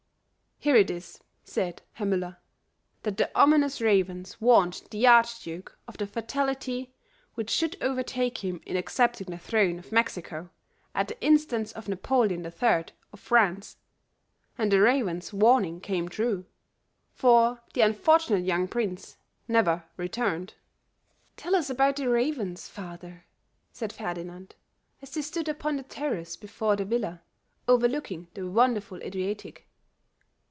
"Here it is," said Herr Müller, "that the ominous ravens warned the archduke of the fatality which should overtake him in accepting the throne of Mexico at the instance of Napoleon III of France. And the raven's warning came true, for the unfortunate young prince never returned." "Tell us about the ravens, father," said Ferdinand, as they stood upon the terrace before the villa, overlooking the wonderful Adriatic.